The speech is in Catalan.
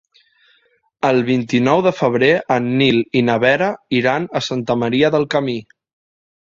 El vint-i-nou de febrer en Nil i na Vera iran a Santa Maria del Camí.